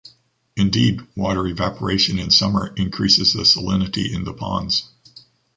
Indeed, water evaporation in summer increases the salinity in the ponds.